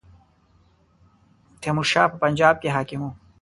تیمور شاه په پنجاب کې حاکم وو.